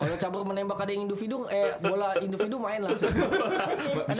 kalo cabur menembak ada yang induvidu eh bola induvidu main lah